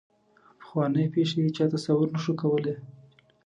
پخوانۍ پېښې یې چا تصور نه شو کولای.